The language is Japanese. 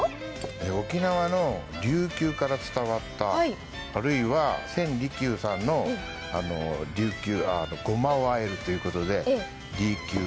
沖縄の琉球から伝わった、あるいは千利休さんの利久和え、ごまをあえるということで、りきゅう、